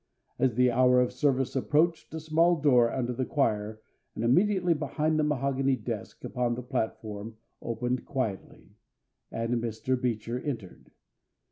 As the hour of service approached a small door under the choir and immediately behind the mahogany desk upon the platform opened quietly, and Mr. Beecher entered.